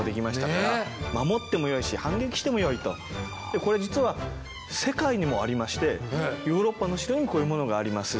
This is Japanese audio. これ実は世界にもありましてヨーロッパのお城にもこういうものがありますし。